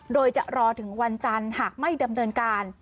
โดยจะรอถึงวันจันทร์หากไม่ดำเนินการ